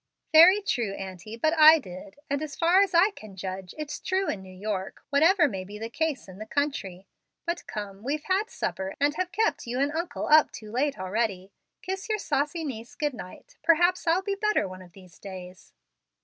"Very true, auntie, but I did! and, as far as I can judge, it's true in New York, whatever may be the case in the country. But come, we've had supper, and have kept you and uncle up too late already. Kiss your saucy niece good night; perhaps I'll be better one of these days."